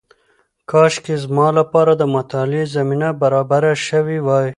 کاشکې زما لپاره د مطالعې زمینه برابره شوې وای.